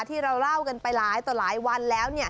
ที่เราเล่ากันไปหลายต่อหลายวันแล้ว